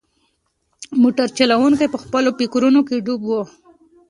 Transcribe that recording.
موټر چلونکی په خپلو فکرونو کې ډوب و.